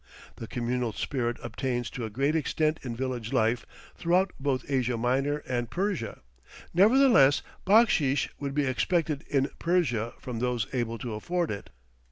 The communal spirit obtains to a great extent in village life throughout both Asia Minor and Persia; nevertheless backsheesh would be expected in Persia from those able to afford it.